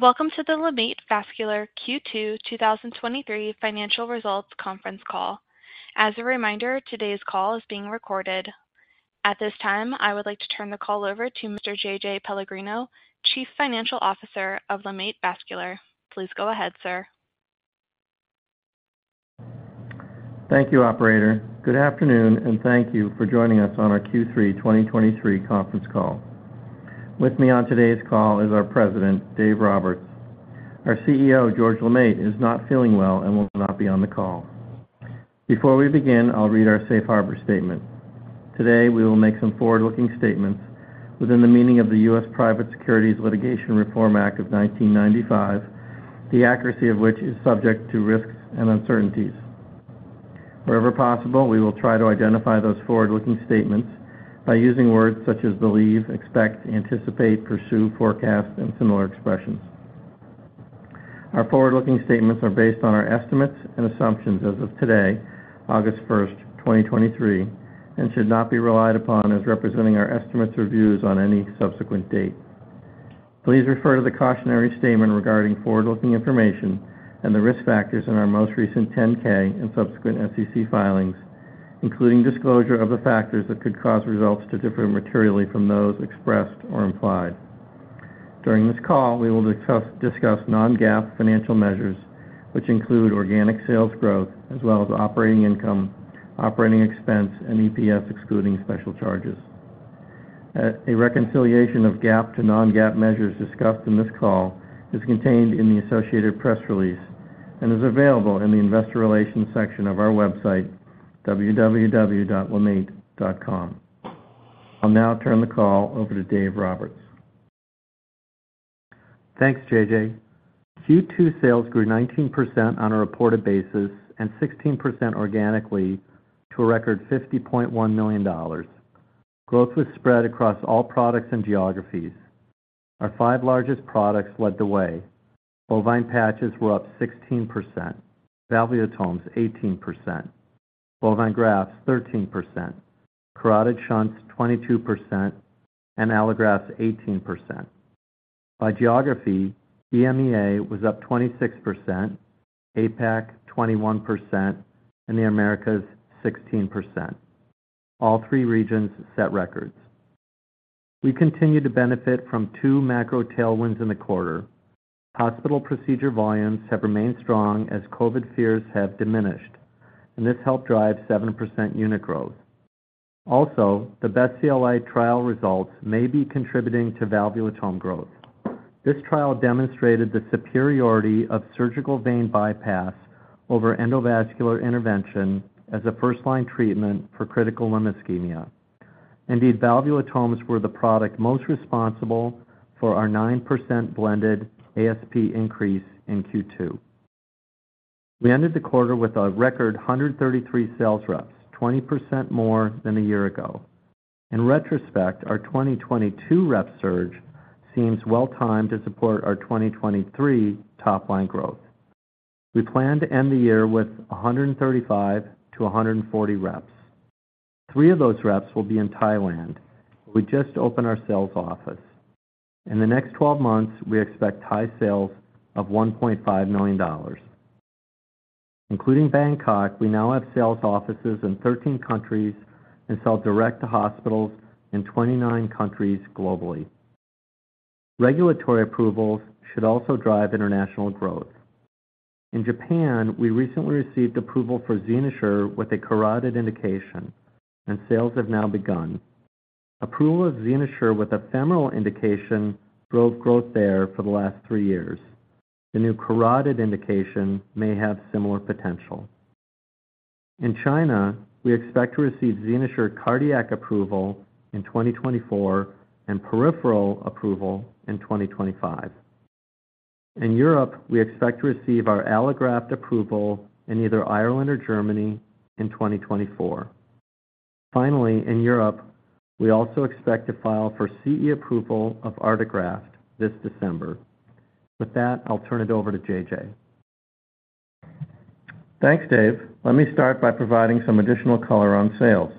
Welcome to the LeMaitre Vascular Q2 2023 Financial Results conference call. As a reminder, today's call is being recorded. At this time, I would like to turn the call over to Mr. JJ Pellegrino, Chief Financial Officer of LeMaitre Vascular. Please go ahead, sir. Thank you, operator. Good afternoon, thank you for joining us on our Q3 2023 conference call. With me on today's call is our President, Dave Roberts. Our CEO, George LeMaitre, is not feeling well and will not be on the call. Before we begin, I'll read our safe harbor statement. Today, we will make some forward-looking statements within the meaning of the U.S. Private Securities Litigation Reform Act of 1995, the accuracy of which is subject to risks and uncertainties. Wherever possible, we will try to identify those forward-looking statements by using words such as believe, expect, anticipate, pursue, forecast, and similar expressions. Our forward-looking statements are based on our estimates and assumptions as of today, August 1, 2023, should not be relied upon as representing our estimates or views on any subsequent date. Please refer to the cautionary statement regarding forward-looking information and the risk factors in our most recent 10-K and subsequent SEC filings, including disclosure of the factors that could cause results to differ materially from those expressed or implied. During this call, we will discuss non-GAAP financial measures, which include organic sales growth as well as operating income, operating expense, and EPS, excluding special charges. A reconciliation of GAAP to non-GAAP measures discussed in this call is contained in the associated press release and is available in the Investor Relations section of our website, www.lemaitre.com. I'll now turn the call over to Dave Roberts. Thanks, JJ. Q2 sales grew 19% on a reported basis and 16% organically to a record $50.1 million. Growth was spread across all products and geographies. Our five largest products led the way. Bovine patches were up 16%, valvulotomes 18%, bovine grafts 13%, carotid shunts 22%, and allografts 18%. By geography, EMEA was up 26%, APAC, 21%, and the Americas, 16%. All three regions set records. We continued to benefit from two macro tailwinds in the quarter. Hospital procedure volumes have remained strong as COVID fears have diminished. This helped drive 7% unit growth. The BEST-CLI trial results may be contributing to valvulotome growth. This trial demonstrated the superiority of surgical vein bypass over endovascular intervention as a first-line treatment for critical limb ischemia. Indeed, valvulotomes were the product most responsible for our 9% blended ASP increase in Q2. We ended the quarter with a record 133 sales reps, 20% more than a year ago. In retrospect, our 2022 rep surge seems well-timed to support our 2023 top-line growth. We plan to end the year with 135-140 reps. Three of those reps will be in Thailand. We just opened our sales office. In the next 12 months, we expect high sales of $1.5 million. Including Bangkok, we now have sales offices in 13 countries and sell direct to hospitals in 29 countries globally. Regulatory approvals should also drive international growth. In Japan, we recently received approval for XenoSure with a carotid indication. Sales have now begun. Approval of XenoSure with a femoral indication drove growth there for the last three years. The new carotid indication may have similar potential. In China, we expect to receive XenoSure cardiac approval in 2024 and peripheral approval in 2025. In Europe, we expect to receive our allograft approval in either Ireland or Germany in 2024. In Europe, we also expect to file for CE approval of Artegraft this December. With that, I'll turn it over to JJ. Thanks, Dave. Let me start by providing some additional color on sales.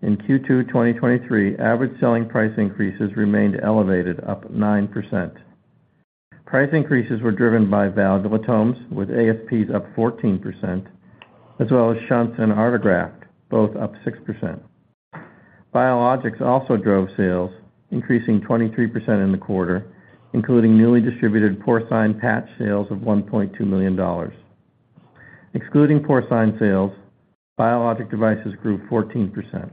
In Q2 2023, average selling price increases remained elevated, up 9%. Price increases were driven by valvulotomes, with ASPs up 14%, as well as shunts and Artegraft, both up 6%. Biologics also drove sales, increasing 23% in the quarter, including newly distributed porcine patch sales of $1.2 million. Excluding porcine sales, biologic devices grew 14%.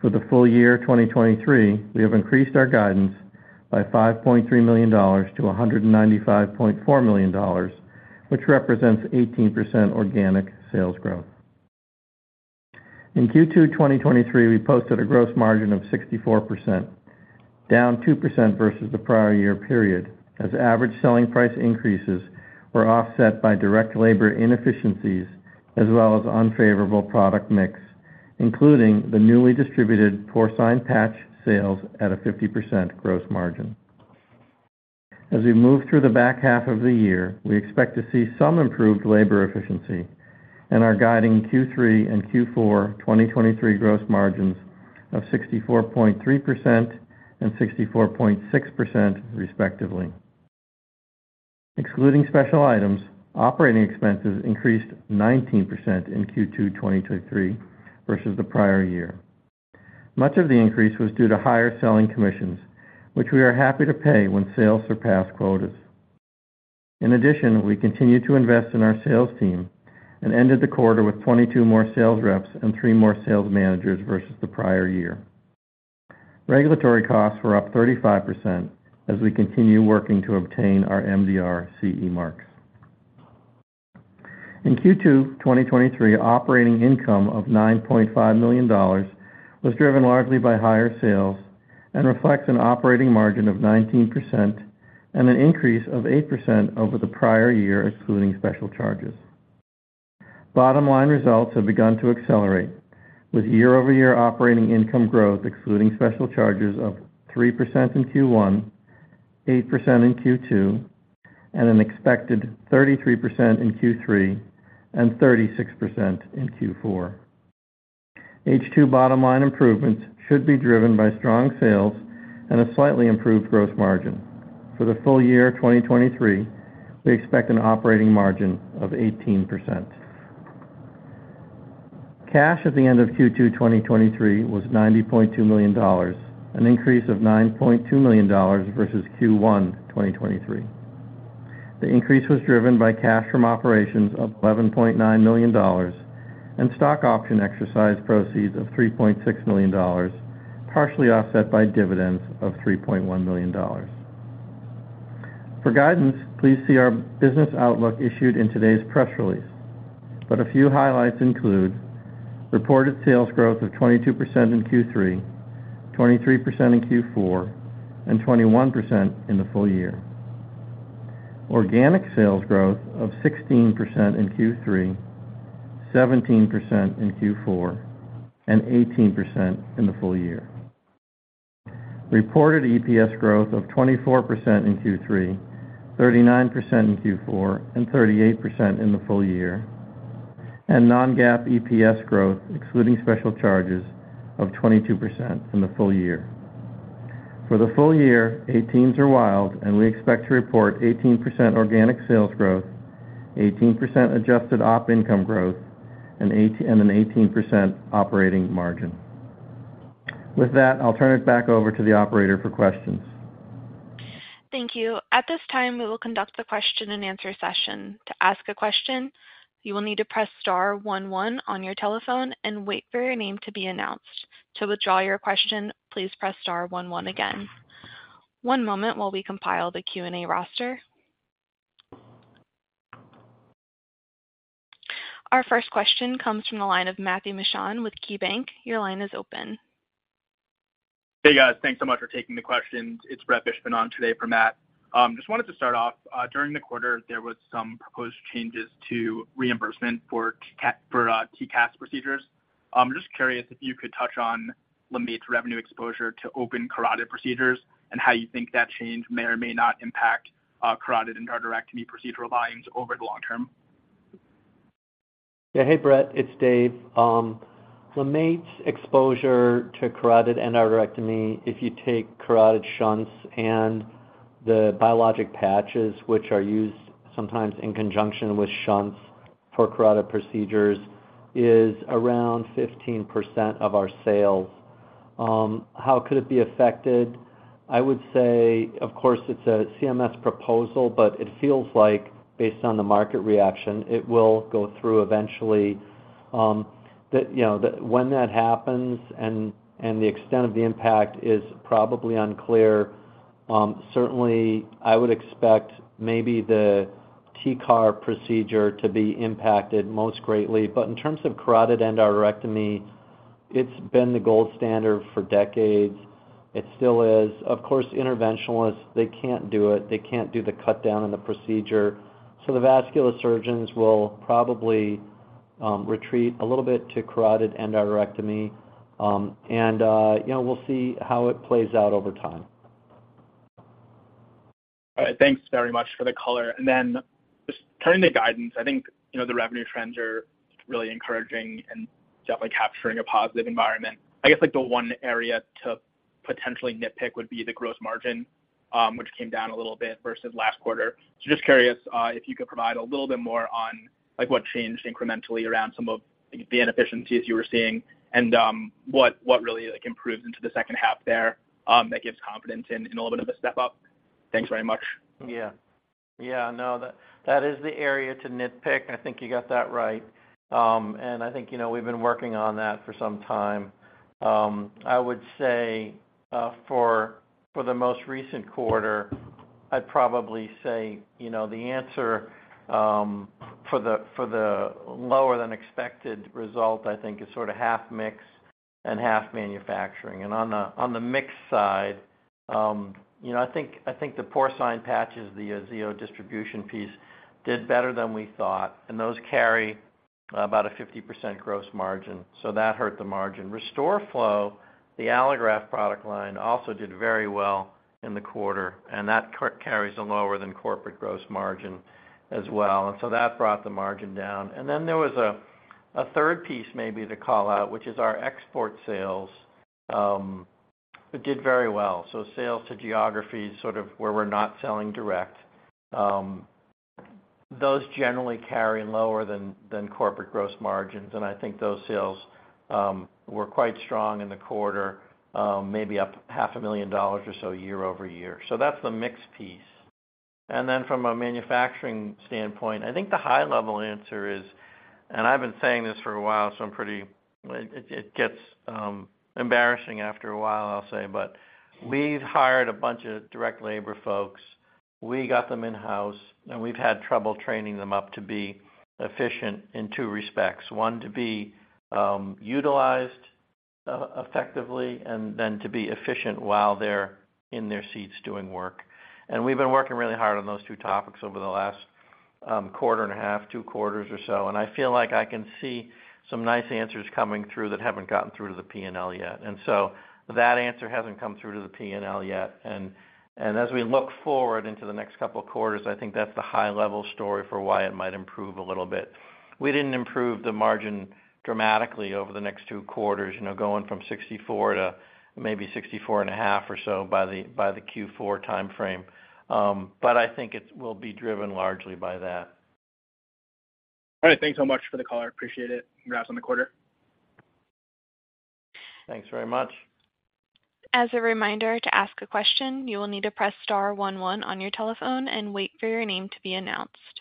For the full year 2023, we have increased our guidance by $5.3 million-$195.4 million, which represents 18% organic sales growth. In Q2 2023, we posted a gross margin of 64%, down 2% versus the prior year period, as average selling price increases were offset by direct labor inefficiencies as well as unfavorable product mix, including the newly distributed porcine patch sales at a 50% gross margin. As we move through the back half of the year, we expect to see some improved labor efficiency and are guiding Q3 and Q4 2023 gross margins of 64.3% and 64.6%, respectively. Excluding special items, operating expenses increased 19% in Q2 2023 versus the prior year. Much of the increase was due to higher selling commissions, which we are happy to pay when sales surpass quotas. In addition, we continued to invest in our sales team and ended the quarter with 22 more sales reps and three more sales managers versus the prior year. Regulatory costs were up 35% as we continue working to obtain our MDR CE marks. In Q2 2023, operating income of $9.5 million was driven largely by higher sales and reflects an operating margin of 19% and an increase of 8% over the prior year, excluding special charges. Bottom line results have begun to accelerate, with year-over-year operating income growth, excluding special charges of 3% in Q1, 8% in Q2, and an expected 33% in Q3 and 36% in Q4. H2 bottom line improvements should be driven by strong sales and a slightly improved growth margin. For the full year 2023, we expect an operating margin of 18%. Cash at the end of Q2 2023 was $90.2 million, an increase of $9.2 million versus Q1 2023. The increase was driven by cash from operations of $11.9 million and stock option exercise proceeds of $3.6 million, partially offset by dividends of $3.1 million. For guidance, please see our business outlook issued in today's press release. A few highlights include reported sales growth of 22% in Q3, 23% in Q4, and 21% in the full year. Organic sales growth of 16% in Q3, 17% in Q4, and 18% in the full year. Reported EPS growth of 24% in Q3, 39% in Q4, and 38% in the full year, and non-GAAP EPS growth, excluding special charges of 22% in the full year. For the full year, eighteens are wild, we expect to report 18% organic sales growth, 18% adjusted op income growth, and an 18% operating margin. With that, I'll turn it back over to the operator for questions. Thank you. At this time, we will conduct the question-and-answer session. To ask a question, you will need to press star one one on your telephone and wait for your name to be announced. To withdraw your question, please press star one one again. One moment while we compile the Q&A roster. Our first question comes from the line of Matthew Mishan with KeyBank. Your line is open. Hey, guys, thanks so much for taking the questions. It's Brett Fishman today for Matt. Just wanted to start off, during the quarter, there was some proposed changes to reimbursement for TCAR, for TCAR procedures. I'm just curious if you could touch on LeMaitre's revenue exposure to open carotid procedures and how you think that change may or may not impact carotid endarterectomy procedural lines over the long term? Yeah. Hey, Brett, it's Dave. LeMaitre's exposure to carotid endarterectomy, if you take carotid shunts and the biologic patches, which are used sometimes in conjunction with shunts for carotid procedures, is around 15% of our sales. How could it be affected? I would say, of course, it's a CMS proposal, but it feels like based on the market reaction, it will go through eventually. That when that happens and, and the extent of the impact is probably unclear. Certainly, I would expect maybe the TCAR procedure to be impacted most greatly. In terms of carotid endarterectomy, it's been the gold standard for decades. It still is. Of course, interventionalists, they can't do it. They can't do the cut down in the procedure, so the vascular surgeons will probably retreat a little bit to carotid endarterectomy. You know, we'll see how it plays out over time. All right. Thanks very much for the color. Just turning to guidance, I think, you know, the revenue trends are really encouraging and definitely capturing a positive environment. I guess, like, the one area to potentially nitpick would be the gross margin, which came down a little bit versus last quarter. Just curious, if you could provide a little bit more on, like, what changed incrementally around some of the inefficiencies you were seeing and, what, what really, like, improved into the second half there, that gives confidence in a little bit of a step up? Thanks very much. Yeah. Yeah, no, that, that is the area to nitpick. I think you got that right. I think, you know, we've been working on that for some time. I would say, for, for the most recent quarter, I'd probably say, you know, the answer, for the, for the lower than expected result, I think is sort of half mix and half manufacturing. On the, on the mix side, you know, I think, I think the porcine patches, the Aziyo distribution piece, did better than we thought, and those carry about a 50% gross margin, so that hurt the margin. RestoreFlow, the allograft product line, also did very well in the quarter, and that carries a lower than corporate gross margin as well, so that brought the margin down. There was a, a third piece maybe to call out, which is our export sales. It did very well. Sales to geographies, sort of where we're not selling direct, those generally carry lower than, than corporate gross margins. I think those sales were quite strong in the quarter, maybe up $500,000 or so year-over-year. That's the mix piece. From a manufacturing standpoint, I think the high level answer is, and I've been saying this for a while, so I'm pretty-- it, it, it gets embarrassing after a while, I'll say, but we've hired a bunch of direct labor folks. We got them in-house, and we've had trouble training them up to be efficient in two respects. One, to be utilized e-effectively, then to be efficient while they're in their seats doing work. We've been working really hard on those two topics over the last quarter and a half, two quarters or so. I feel like I can see some nice answers coming through that haven't gotten through to the P&L yet. So that answer hasn't come through to the P&L yet. As we look forward into the next couple of quarters, I think that's the high-level story for why it might improve a little bit. We didn't improve the margin dramatically over the next two quarters, you know, going from 64% to maybe 64.5% or so by the, by the Q4 timeframe. I think it will be driven largely by that. All right. Thanks so much for the call. I appreciate it. Congrats on the quarter. Thanks very much. As a reminder, to ask a question, you will need to press star one one on your telephone and wait for your name to be announced.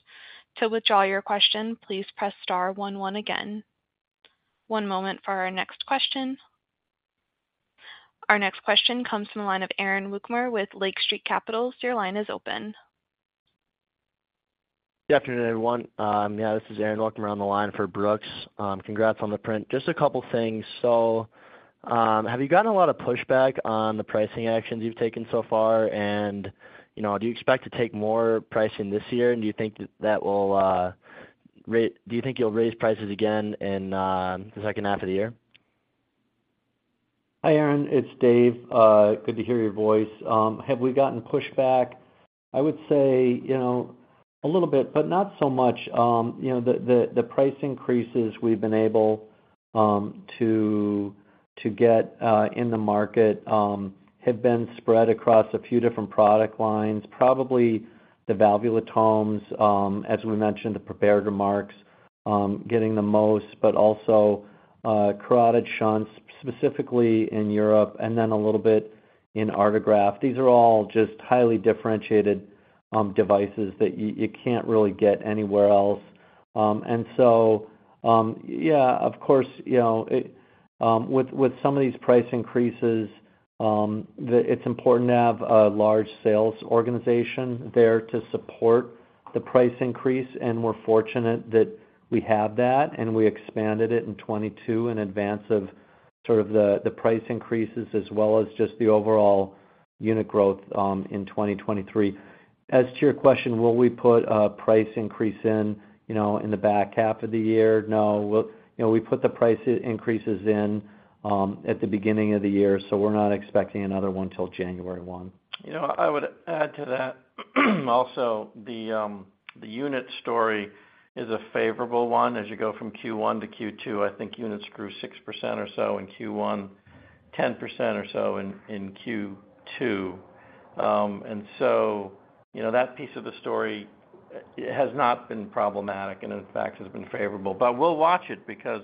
To withdraw your question, please press star one one again. One moment for our next question. Our next question comes from the line of Aaron Wukmir with Lake Street Capital. Your line is open. Good afternoon, everyone. Yeah, this is Aaron Wukmir on the line for Brooks. Congrats on the print. Just a couple of things: so, have you gotten a lot of pushback on the pricing actions you've taken so far? You know, do you expect to take more pricing this year? Do you think that will, do you think you'll raise prices again in the second half of the year? Hi, Aaron, it's Dave. Good to hear your voice. Have we gotten pushback? I would say, you know, a little bit, but not so much. You know, the price increases we've been able to get in the market have been spread across a few different product lines, probably the valvulotome, as we mentioned, the prepared remarks, getting the most, but also, carotid shunts, specifically in Europe, and then a little bit in Artegraft. These are all just highly differentiated devices that you, you can't really get anywhere else. And so, yeah, of course, you know, it, with, with some of these price increases, it's important to have a large sales organization there to support the price increase, and we're fortunate that we have that, and we expanded it in 22 in advance of sort of the, the price increases as well as just the overall unit growth, in 2023. As to your question, will we put a price increase in, you know, in the back half of the year? No. We'll, you know, we put the price increases in, at the beginning of the year, so we're not expecting another one till January 1. You know, I would add to that, also, the, the unit story is a favorable one. As you go from Q1 to Q2, I think units grew 6% or so in Q1, 10% or so in Q2. You know, that piece of the story has not been problematic and in fact, has been favorable. We'll watch it because,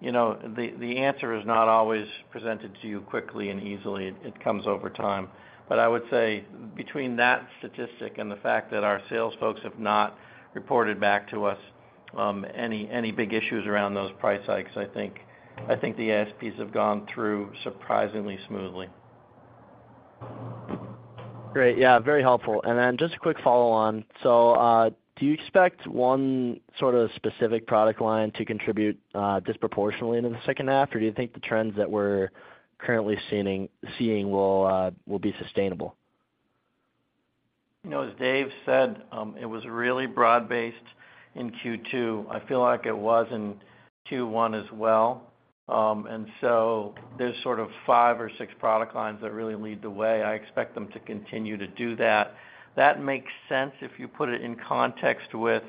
you know, the answer is not always presented to you quickly and easily. It comes over time. I would say between that statistic and the fact that our sales folks have not reported back to us, any big issues around those price hikes, I think the ASPs have gone through surprisingly smoothly. Great. Yeah, very helpful. Just a quick follow on. Do you expect one sort of specific product line to contribute disproportionately in the second half? Do you think the trends that we're currently seeing will be sustainable? You know, as Dave said, it was really broad-based in Q2. I feel like it was in Q1 as well. There's sort of five or six product lines that really lead the way. I expect them to continue to do that. That makes sense if you put it in context with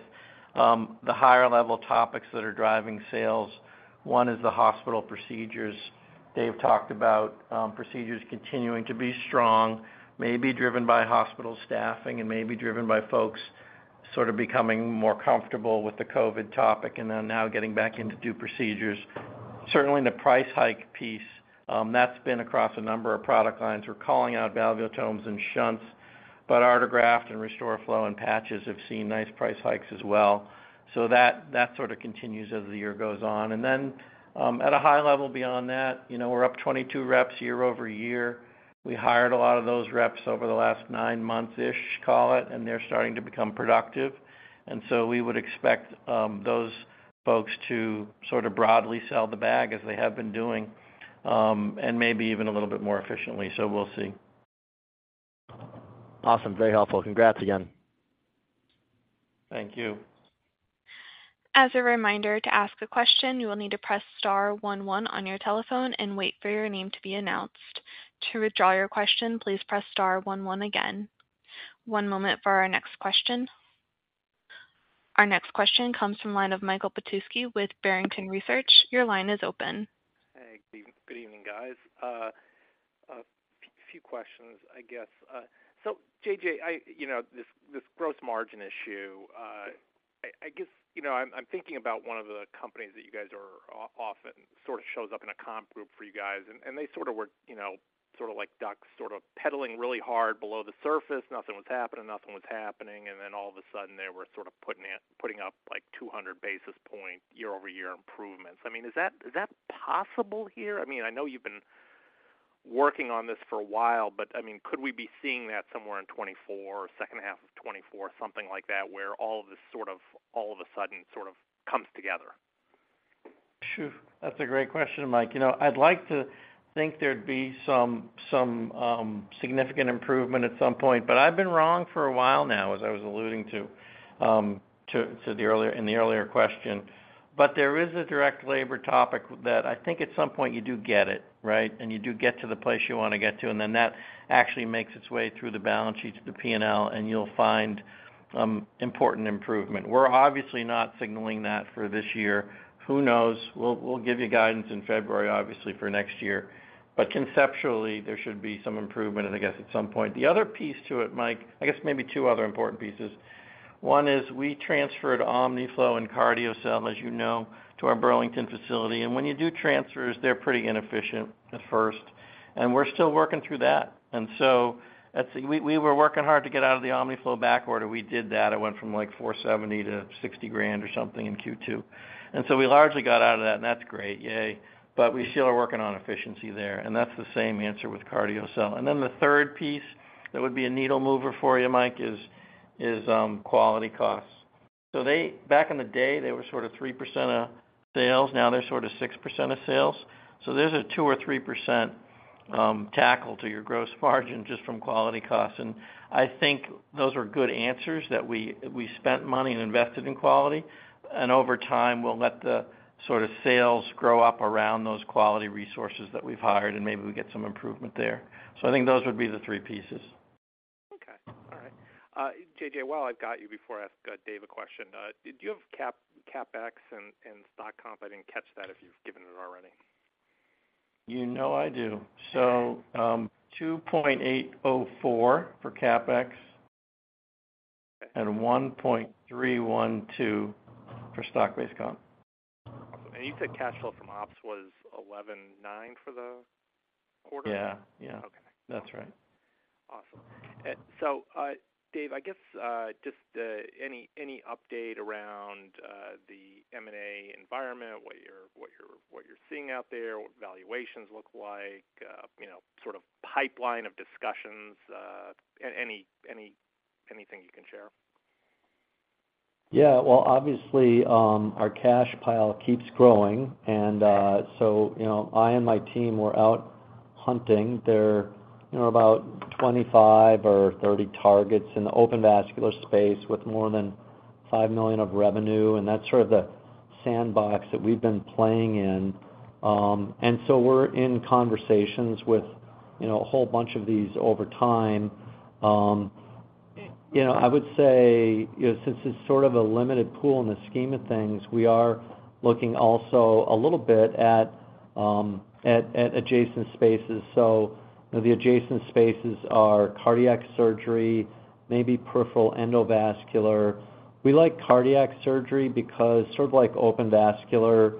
the higher level topics that are driving sales. One is the hospital procedures. Dave talked about procedures continuing to be strong, may be driven by hospital staffing and may be driven by folks sort of becoming more comfortable with the COVID topic and then now getting back into due procedures. Certainly, the price hike piece that's been across a number of product lines. We're calling out valvulotome and shunts, but Artegraft and RestoreFlow and patches have seen nice price hikes as well. That, that sort of continues as the year goes on. Then, at a high level beyond that, you know, we're up 22 reps year-over-year. We hired a lot of those reps over the last nine months-ish, call it, and they're starting to become productive. We would expect those folks to sort of broadly sell the bag as they have been doing, and maybe even a little bit more efficiently. We'll see. Awesome. Very helpful. Congrats again. Thank you. As a reminder, to ask a question, you will need to press star one one on your telephone and wait for your name to be announced. To withdraw your question, please press star one one again. One moment for our next question. Our next question comes from line of Michael Petusky with Barrington Research. Your line is open. Hey, good evening, guys. A few questions, I guess. JJ, you know, this, this gross margin issue, I, I guess, you know, I'm, I'm thinking about one of the companies that you guys are often sort of shows up in a comp group for you guys, and, and they sort of were, you know, sort of like ducks, sort of pedaling really hard below the surface. Nothing was happening, nothing was happening, and then all of a sudden, they were sort of putting up, like, 200 basis point year-over-year improvements. I mean, is that, is that possible here? I mean, I know you've been working on this for a while, but, I mean, could we be seeing that somewhere in 2024 or second half of 2024, something like that, where all of this sort of, all of a sudden sort of comes together? Sure. That's a great question, Mike. You know, I'd like to think there'd be some significant improvement at some point, but I've been wrong for a while now, as I was alluding to the earlier question. There is a direct labor topic that I think at some point you do get it, right? You do get to the place you wanna get to, and then that actually makes its way through the balance sheet to the P&L, and you'll find important improvement. We're obviously not signaling that for this year. Who knows? We'll give you guidance in February, obviously, for next year. Conceptually, there should be some improvement, and I guess at some point. The other piece to it, Mike, I guess maybe two other important pieces. One is we transferred Omniflow and CardioCel, as you know, to our Burlington facility, when you do transfers, they're pretty inefficient at first, and we're still working through that. I'd say we, we were working hard to get out of the Omniflow backorder. We did that. It went from, like, $470,000 to $60,000 or something in Q2. We largely got out of that, and that's great. Yay! We still are working on efficiency there, and that's the same answer with CardioCel. The third piece that would be a needle mover for you, Mike, is, is quality costs. They... Back in the day, they were sort of 3% of sales. Now, they're sort of 6% of sales. There's a 2% or 3% tackle to your gross margin just from quality costs. I think those are good answers that we spent money and invested in quality, and over time, we'll let the sort of sales grow up around those quality resources that we've hired, and maybe we get some improvement there. I think those would be the three pieces. Okay. All right. JJ, while I've got you, before I ask, Dave a question, did you have CapEx and stock comp? I didn't catch that if you've given it already. You know I do. $2.804 for CapEx and $1.312 for stock-based comp. Awesome. You said cash flow from ops was $11.9 million for the quarter? Yeah, yeah. Okay. That's right. Awesome. Dave, I guess, just, any, any update around the M&A environment, what you're, what you're, what you're seeing out there, what valuations look like, you know, sort of pipeline of discussions, any, any, anything you can share? Yeah, well, obviously, our cash pile keeps growing, and so, you know, I and my team were out hunting. There are about 25 or 30 targets in the open vascular space with more than $5 million of revenue, and that's sort of the sandbox that we've been playing in. So we're in conversations with, you know, a whole bunch of these over time. You know, I would say, you know, since it's sort of a limited pool in the scheme of things, we are looking also a little bit at, at, at adjacent spaces. The adjacent spaces are cardiac surgery, maybe peripheral endovascular. We like cardiac surgery because sort of like open vascular,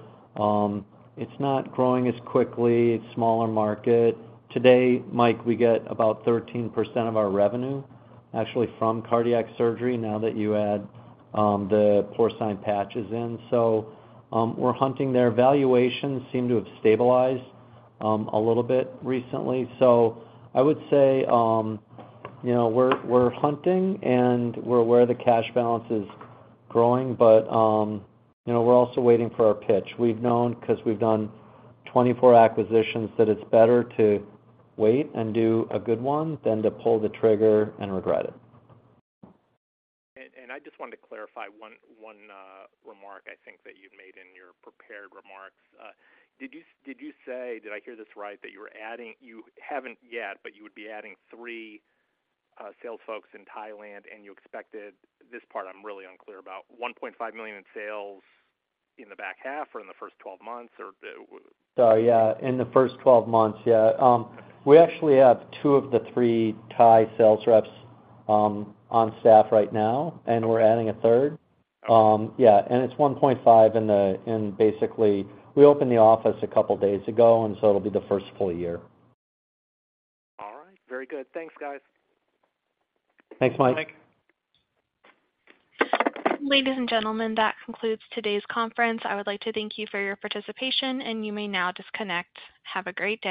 it's not growing as quickly, it's smaller market. Today, Mike, we get about 13% of our revenue, actually from cardiac surgery now that you add, the porcine patches in. We're hunting there. Valuations seem to have stabilized, a little bit recently. I would say, you know, we're, we're hunting, and we're aware the cash balance is growing, but, you know, we're also waiting for our pitch. We've known, 'cause we've done 24 acquisitions, that it's better to wait and do a good one than to pull the trigger and regret it. I just wanted to clarify one remark I think that you made in your prepared remarks. Did you say, did I hear this right, that you were adding... You haven't yet, but you would be adding three sales folks in Thailand, and you expected, this part I'm really unclear about, $1.5 million in sales in the back half or in the first 12 months, or w-? Yeah, in the first 12 months. We actually have two of the three Thai sales reps on staff right now, and we're adding a third. It's 1.5 in the, in basically, we opened the office a couple days ago, and so it'll be the first full year. All right. Very good. Thanks, guys. Thanks, Mike. Thanks. Ladies and gentlemen, that concludes today's conference. I would like to thank you for your participation. You may now disconnect. Have a great day.